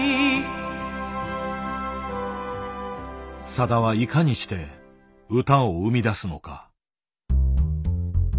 さだはいかにして歌を生み出すのか。